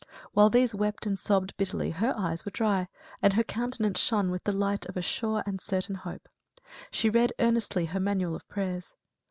While these wept and sobbed bitterly, her eyes were dry, and her countenance shone with the light of a sure and certain hope. She read earnestly her manual of prayers.